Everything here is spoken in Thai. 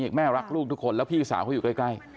ว่าแม่รักลูกทุกคนแล้วพี่สาวคือยู่ใกล้ใกล้